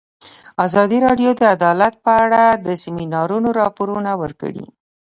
ازادي راډیو د عدالت په اړه د سیمینارونو راپورونه ورکړي.